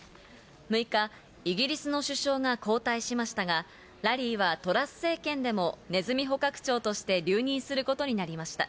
６日、イギリスの首相が交代しましたが、ラリーはトラス政権でもネズミ捕獲長として留任することになりました。